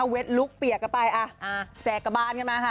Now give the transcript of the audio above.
ลุคเปียกกันไปแสกกระบานกันมาค่ะ